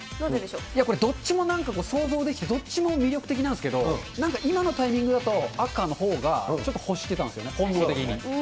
これ、どっちもなんか想像できて、どっちも魅力的なんですけど、なんか今のタイミングだと、赤のほうがちょっと欲してたんですよね、本能的に。